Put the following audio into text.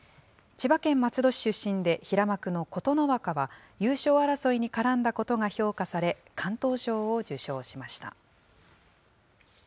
千葉県松戸市出身で平幕の琴ノ若は、優勝争いに絡んだことが評価され、敢闘賞を受賞しました。